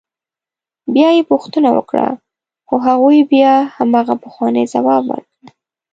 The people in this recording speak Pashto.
بیا یې پوښتنه وکړه خو هغوی بیا همغه پخوانی ځواب ورکړ.